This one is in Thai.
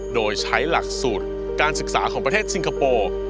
โดยใช้หลักสูตรการศึกษาของประเทศสิงคโปร์